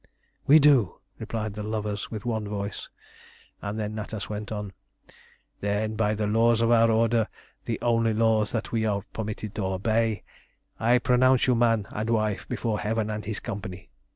"We do!" replied the lovers with one voice, and then Natas went on "Then by the laws of our Order, the only laws that we are permitted to obey, I pronounce you man and wife before Heaven and this company.